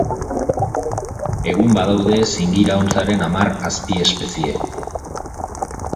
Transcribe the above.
Egun badaude zingira-hontzaren hamar azpiespezie.